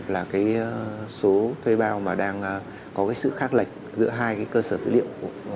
là cái số thuê bao mà đang có cái sự khác lệch giữa hai cái cơ sở dữ liệu